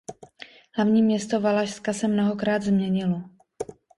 Hlavní město Valašska se mnohokrát změnilo.